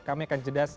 kami akan cedas